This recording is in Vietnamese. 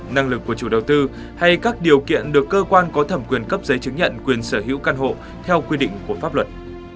năng lực của chủ đầu tư hay các điều kiện được cơ quan có thẩm quyền cấp giấy chứng nhận quyền sở hữu căn hộ theo quy định của pháp luật